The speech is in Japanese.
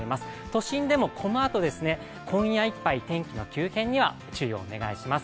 都心でもこのあと、今夜いっぱい天気の急変にはご注意お願いします。